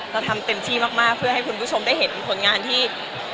เราทำเต็มที่มากเพื่อให้คุณผู้ชมได้เห็นผลงานที่